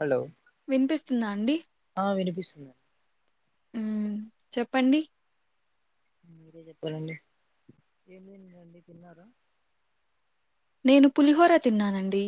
Hello వినిపిస్తుందా అండి ఆ వినిపిస్తుందండి చెప్పండి మీరే చెప్పాలండి ఏమి లేదండి తిన్నార నేను పులిహోర తిన్నానండి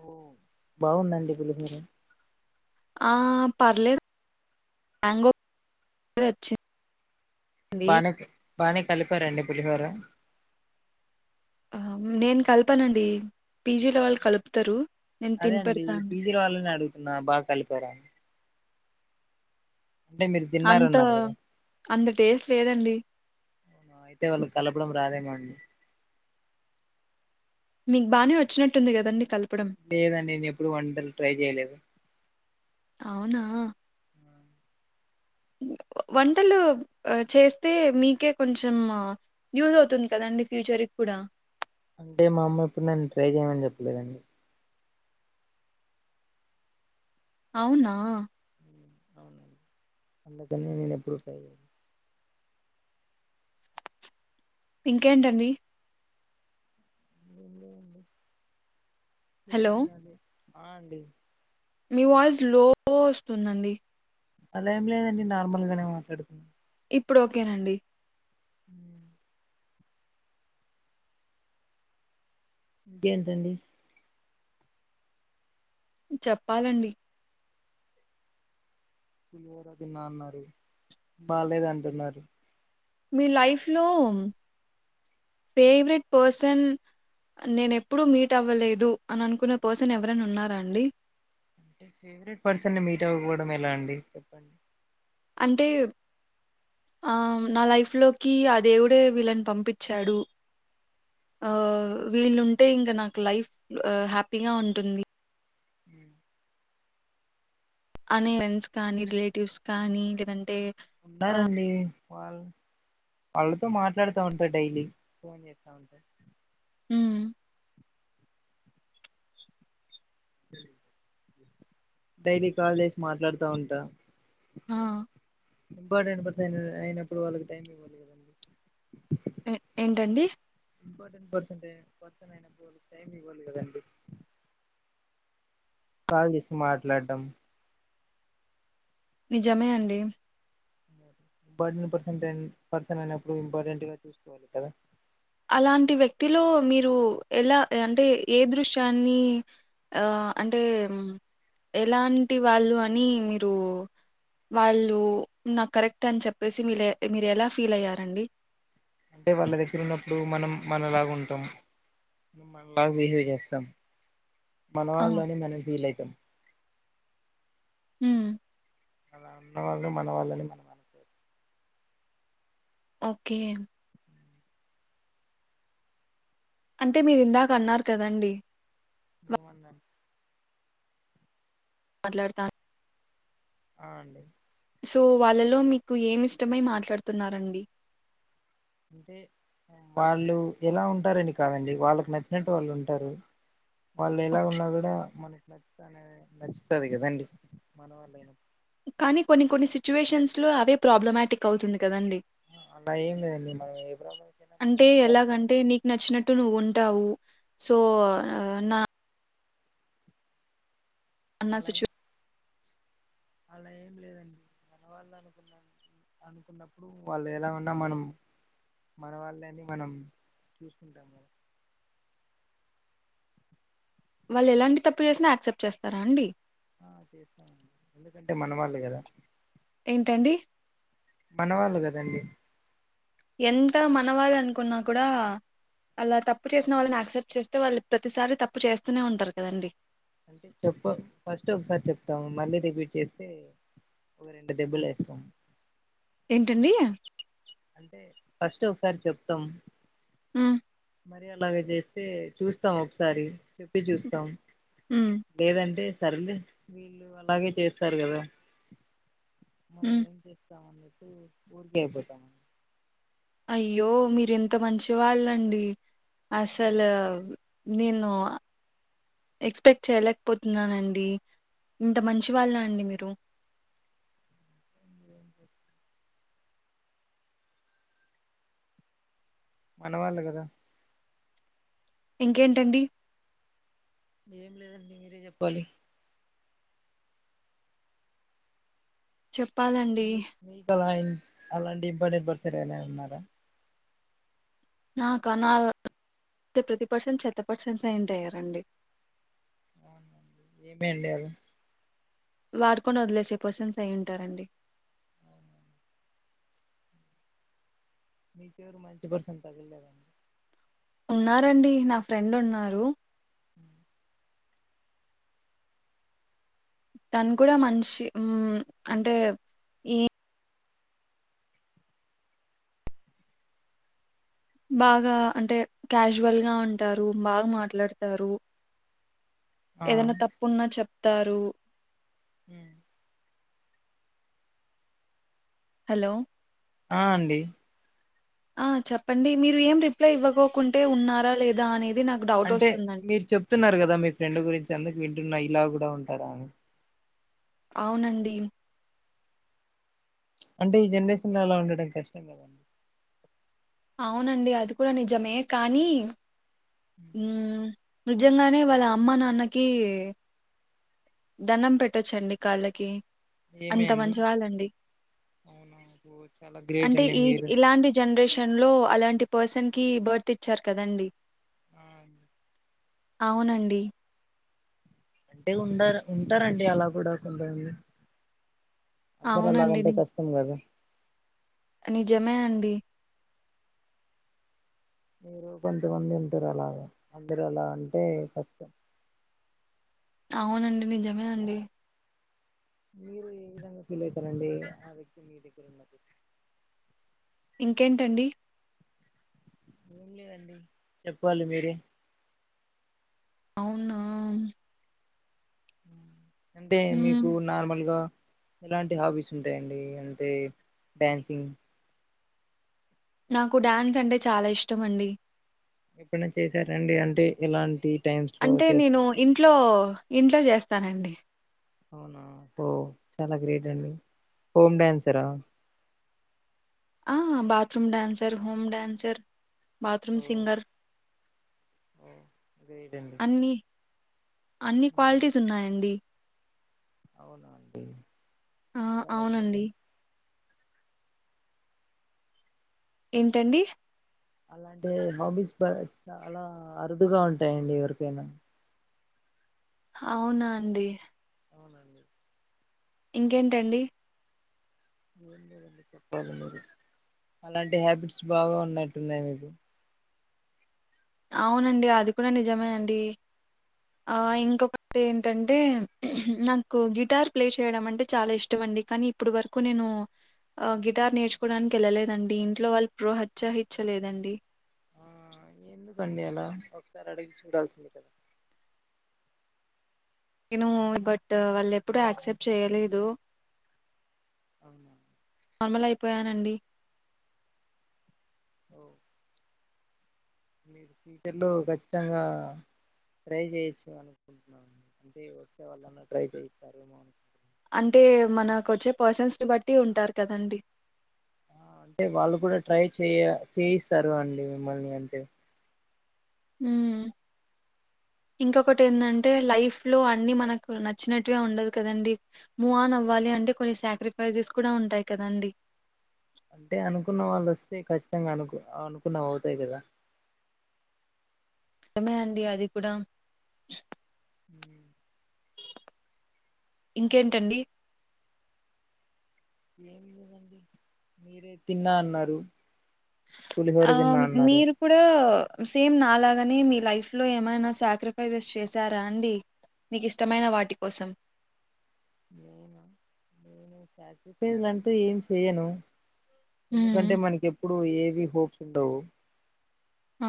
ఓ బాగుంద అండి పులిహర ఆ పర్లేదు బ్యాంగో వచ్చింది బానే బాగానే కలిపారండి పులిహోర నేను కలపానండి పీజీలో వాళ్ళు కలుపుతారు నేను అదే తిని అండి పెడతాను పీజీ వాళ్ళని అడుగుతున్నా బాగా కలిపారనీ అంటే మీరు అంత తిన్నారన్నారు కదా అంత టేస్ట్ లేదండి అవునా, అయితే వాళ్ళు కలపడం రాదేమో అండి మీకు బాగానే వచ్చినట్టుంది కదండి కలపడం లేదండి నేను ఎప్పుడు వంటలు ట్రై చేయలేదు అవునా వంటలు చేస్తే మీకే కొంచెం యూజ్ అవుతుంది కదండి ఫ్యూచర్కి కూడా అంటే మా అమ్మ ఇప్పుడు నన్ను ట్రై చేయమని చెప్పలేదండి అవునా అవునండి అందుకని నేను ఎప్పుడూ ట్రై చేయలే ఇంకేంటండి ఏం లేదండి ఫుడ్ హలో తిన్నాలి ఆ అండి మీ వాయిస్ స్లో వస్తుందండి అలా ఏం లేదండి నార్మల్ గానే మాట్లాడుకున్నా ఇప్పుడు ఓకేనండి ఉ ఇంకేంటి చెప్పాలండి పులిహోర తిన్నా అన్నారు బాలేదు అంటున్నారు మీ లైఫ్ లో ఫేవరెట్ పర్సన్ నేను ఎప్పుడూ మీట్ అవ్వలేదు అని అనుకున్న పర్సన్ ఎవరనా ఉన్నారా అండి అంటే ఫేవరెట్ పర్సన్ మీట్ అవ్వపోవడం ఎలా అండి చెప్పండి అంటే ఆ నా లైఫ్ లోకి ఆ దేవుడే వీళ్ళని పంపించాడు ఆ వీళ్ళుంటే ఇంకా నాకు లైఫ్ హ్యాపీగా ఉంటుంది హు అనే ఫ్రెండ్స్ కానీ రిలేటివ్స్ కానీ లేదంటే ఉన్నారండి వాళ్ళ వాళ్ళతో మాట్లాడుతా ఉంటారు డైలీ చెస్తా ఉంటా ఉ డైలీ కాల్ చేసి మాట్లాడుతూ ఉంటా ఆ ఇంపార్టెంట్ పర్స్ అయినప్పుడుళ్ళ టైమ్ ఇవ్వి లేను ఎ ఏంటండి ఇంపార్టెంట్ పర్సెంటేజ్ కొత్త అయినప్పుు టైమ్ ఇవ్వాలేదు అండి కాల్ చేసి మాట్లాడడం నిజమే అండి ఇంపార్టెంట్ పర్సన్ అయినప్పుడు ఇంపార్టెంట్ గా చూసుకోవాలి కదా అలాంటి వ్యక్తిలో మీరు ఎలా అంటే ఏ దృశ్యాన్ని ఆ అంటే ఎలాంటి వాళ్ళు అని మీరు వాళ్ళు నాకు కరెక్ట్ అని చెప్పేసి మీ మీరు ఎలా ఫీల్ అయ్యారండి అంటే వాళ్ళ దగ్గర ఉన్నప్పుడు మనం మనలాగా ఉంటాం మనలాగా బిహేవ్ చేస్తాం మన ఆ! వాళ్ళలోనే మనం ఫీల్ అవుతాం ఉ అలా అన్న వాళ్ళని మన వాళ్ళని మనం అనుకోరు ఓకే అంటే మీరు ఇందాక అన్నారు కదండి జువందన్ మాట్లాడతాను అవు అండి సో వాళ్ళలో మీకు ఏమి ఇష్టమై మాట్లాడుతున్నారండి అంటే వాళ్ళు ఎలా ఉంటారని కాదండి వాళ్ళకి నచ్చినట్టు వాళ్ళు ఉంటారు వాళ్ళు ఎలా ఓకే. ఉన్నా కూడా మనకు నచ్చుతనే నచ్చుతుది కదండి మన వాళ్ళయి కానీ కొన్ని కొన్ని సిచ్యువేషన్స్ లో అవే ప్రాబ్లమాటిక్ అవుతుంది కదండి అలా ఏం లేదండి మనం ఏ బ్ర్రాహ్మణకైనా మన అంటే వాల్ అని మనం ఎలాగంటే నీకు నచ్చినట్టు నువ్వు ఉంటావు సో నా నా అలై సిట్యు అలా ఏం లేదండి మనవాళ్ళు అనుకున్నాను అనుకున్నా ఉన్నప్పుడు వాళ్ళు ఎలా ఉన్నా మనం మన వాళ్ళని మనం చూసుకుంటాము కదా వాళ్ళు ఎలాంటి తప్పు చేసినా యాక్సెప్ట్ చేస్తారా అండి ఆ చేస్తామండి ఎందుకంటే మనవాళ్ళు కదా ఏంటండి మనవాళ్ళు కదండి ఎంత మనవాళ్ళు అనుకున్నా కూడా అలా తప్పు చేసిన వాళ్ళని అక్సెప్ట్ చేస్తే వాళ్ళు ప్రతిసారి తప్పు చేస్తూనే ఉంటారు కదండి అంటే చెప్పు ఫస్ట్ ఒకసారి చెప్తాము మళ్ళీ రిపీట్ చేస్తే ఒ రెండు దెబ్బలు ఎస్తాం ఏంటండియా అంటే ఫస్ట్ ఒకసారి చెప్తాం ఉ మరి అలాగ చేస్తే చూస్తాం ఒకసారి చెప్పి చూస్తాం ఉమ్ లేదంటే సర్లే వీళ్ళు అలాగే చేస్తారు కదా మనం ఉమ్ ఏం చేస్తామని చెప్పి ఊరిక అయిపోతాం అయ్యో మీరెంత మంచి వాళ్ళండి అసలు నేను ఎక్స్పెక్ట్ చేయలేకపోతున్నానండి ఇంత మంచి వాళ్ళ అండి మీరు ఇందులో ఉంటది మనవాళ్ళు కదా ఇంకేంటండి ఏం లేదండి మీరే చెప్పాలి చెప్పాలండి మీకలా అలాంటి ఇబ్బంది పర్సన్ ఎవరైనా ఉన్నారా నాకనల్ ప్రతి పర్సన్ చెత్త పర్సన్స్ ఏయింటి అయ్యారండి అవునండి ఏమేండి అవి వాడుకొని వదిలేసే పర్సన్స్ అయి ఉంటారండి అవునా. మీకెవరు మంచి పర్సన్ తగలేదండి ఉన్నారండి నా ఫ్రెండ్ ఉన్నారు ఉ తాను కూడా మనిషి అంటే ఏ బాగా అంటే క్యాజువల్ గా ఉంటారు బాగా మాట్లాడతారు ఆ ఏదైనా తప్పున్నా చెప్తారు ఉమ్ హలో ఆ అండి ఆ చెప్పండి మీరు ఏం రిప్లై ఇవ్వకోకుంటే ఉన్నారా లేదా అనేది నాక్ అంటే మీరు చెప్తున్నారు గదా మీ ఫ్రెండ్ గురించి అందుకు వింటున్న ఇలా గుడా ఉంటారా అని అవునండి అంటే ఈ జనరేషన్ లో అలా ఉండడం కష్టం కదండి అవునండి అది కూడా నిజమే కానీ ఊమ్ నిజంగానే వాళ్ళ అమ్మ నాన్నకీ ధనం పెట్టొచ్చండి కాళ్ళకి ఏమే అంత అండి మంచి వాళ్ళండి అవునా ఓ చాలా గ్రేట్ అంటే అండి ఈజ్ మీరు ఇలాంటి జనరేషన్ లో అలాంటి పర్సన్ కి బర్త్ ఇచ్చారు కదండి ఆ అవునండి అంటే ఉండారు ఉంటారండి అలా కూడా కొంతంది అందర్ అవునండి. అలాగంటే కష్ అం గదా అ నిజమే అండి మీరు కొంతమంది ఉంటారలాగా అందరు అలా అంటే కష్టం అవునండి నిజమే అండి మీరు ఏ విధంగా ఫీల్ అయితరండి ఆ వ్యక్తి మీ దగ్గర ఉన్నది ఇంకేంటండి ఏం లేవండి చెప్పాలి మీరే అవునా డే మీకు హ్మ్. నార్మల్గా ఇలాంటి హాబీస్ ఉంటాయండి అంటే డ్యాన్సింగ్ నాకు డ్యాన్స్ అంటే చాలా ఇష్టం అండి ఎప్పనా చేసారండి అంటే ఇలాంటి టైమ్స్ లో అంటే చేస్తా నేను ఇంట్లో ఇంట్లో జేస్తానండి అవునా హో చాలా గ్రేట్ అండి హోమ్ డ్యాన్సరా ఆ bathroom dancer home dancer bathroom ఓ సింగర్ ఓ గ్రేటన్ న్నీ అన్ని మ్మ్. క్వాలిటీస్ ఉన్నాయండి అవునా అండి ఆ! చాలా గ్రేట్ అవునండి. అం ఏంటండి అలాంటి బాబీస్ పై చాలా అరుదుగా ఉంటాయండి ఎవరికైనా అవునా అండి అవున ఇంకేంటండి చెప్పాలి మీరు అలాంటి హ్యాబిట్స్ బాగా ఉన్నట్టున్నాయి మీకు అవునండి అది కూడా నిజమే అండి ఆ ఇంకొకట్ ఏంటంటే నాకు గిటార్ ప్లే చేయడం అంటే చాలా ఇష్టం అండి కనీ ఇప్పుడు వరకు నేను అ గిటార్ నేర్చుకోడానికెళ్ళలేదండి ఇంట్లో వాళ్ళు ప్రోహత్య హిత్య లేదండి ఆ కండి అలా ఒకసారి అడిగి చూడాల్సి ఇనూ బట్ వాళ్ ఎప్పుడుూ యాక్సెప్ట్ చేయలేదు అవునా నార్మల్ అయిపోయానండి ఓ మీరు ఫ్యూచర్లో ఖచ్చితంగా ట్రై చేయచ్చు అనుకుంటున్నాండి అంటే వచ్చే వాళ్ళన్నా ట్రై చేయిస్తారు మా అంటే మనకు వచ్చే పర్సన్స్ బట్టి ఉంటారు కదండి ఆ! అంటే వాళ్ళు కూడా ట్రై చేయ చేయిస్తారు అండి మిమ్మల్ని అంటే ఉ ఇంకొకటి ఏంటంటే లైఫ్ లో అన్ని మనకు నచ్చినట్గా ఉండదు కదండి మూవ్ ఆన్ అవ్వాలి అంటే కొన్ని సాక్రిఫైసెస్ కూడా ఉంటాయి కదండి అంటే అనుకున్న వాళ్ళు వస్తే ఖచ్చితంగా అనుకు అనుకున్న అవుతాయి కదా నిజమే అండి అది కూడా [unintelligible] ఇంకేంటండి ఏం లేదండి మీరే తిన్నా అన్నారు పులిహోర ఆ తిన్నా అన్నారు మీరు కూడా సేమ్ నాలాగనె మీ లైఫ్ లో ఏమైనా సాక్రిఫైసెస్ చేసారా అండి మీకు ఇష్టమైన వాటి కోసం నేను నేను సాటిఫైజ్ అంటూ ఏం చేయను ఉమ్ ఎందుకంటే మనకిప్పుడు ఏవి హోప్స్ ఉండవు ఆ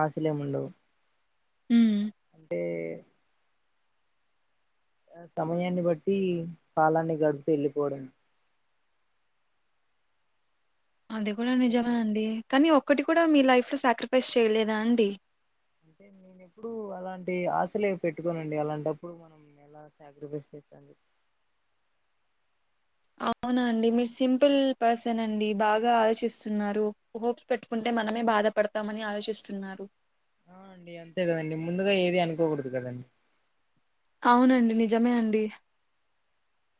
ఆశలేము ఉండవు హ్మ్. అంటే అ సమయాన్ని బట్టి కాలాన్ని గడుపుతు వెళ్ళిపోవడమె అది కూడా ఎలా నిజమే అండి కానీ ఒక్కటి కూడా మీ లైఫ్ లో సాక్రిఫైస్ చేయలేదా అండి నేను ఎప్పుడు అలాంటి ఆశలే పెట్టుకోనండి అలాంటప్పుడు మనం ఆ సాగ్రిఫేస్ బెస్ట్ అండీ అవునా అండి మీరు సింపుల్ పర్సన్ అండి బాగా ఆలోచిస్తున్నారు హోప్స్ పెట్టుకుంటే మనమే బాధపడతామని ఆలోచిస్తున్నారు ఆ అండి అంతే కదండి ముందుగా ఏది అనుకోకూడదు కదండి అవునండి నిజమే అండి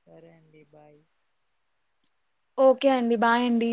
సరే అండి బాయ్ ఓకే అండి బాయ్ అండి